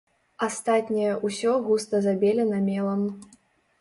Астатняе ўсё густа забелена мелам.